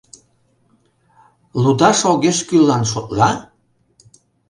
Лудаш огеш кӱллан шотла?